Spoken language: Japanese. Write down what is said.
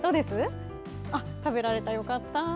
食べられた、よかった。